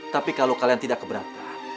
tapi kalau kalian tidak keberatan